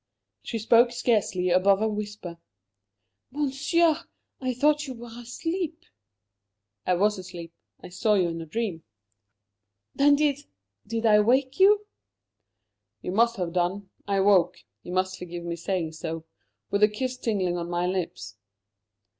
She spoke scarcely above a whisper. "Monsieur, I thought you were asleep." "I was asleep. I saw you in a dream." "Then did did I wake you?" "You must have done. I woke you must forgive my saying so with a kiss tingling on my lips."